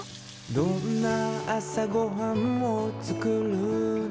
「どんな朝ごはんを作るの？」